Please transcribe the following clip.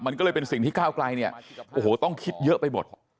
มันก็เลยเป็นสิ่งที่ก้าวไกลเนี่ยโอ้โหต้องคิดเยอะไปหมด